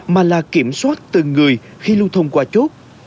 mà là kiểm soát từng người khi lưu thông qua chốt